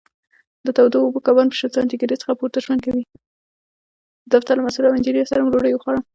د دفتر له مسوول او انجینر سره مو ډوډۍ وخوړه.